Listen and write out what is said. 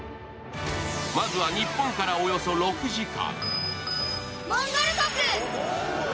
まずは、日本からおよそ６時間。